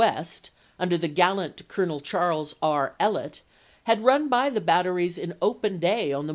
West, under the gallant Colonel Charles R. Ellet, had run by the batteries in open day on the morn 1863.